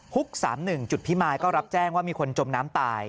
๓๑จุดพิมายก็รับแจ้งว่ามีคนจมน้ำตาย